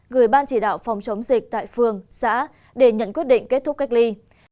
gửi ban chỉ đạo phòng chống dịch tại phường xã để nhận quyết định kết thúc cách ly